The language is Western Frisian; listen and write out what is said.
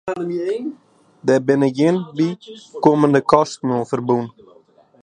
Der binne gjin bykommende kosten oan ferbûn.